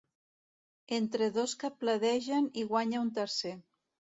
Entre dos que pledegen hi guanya un tercer.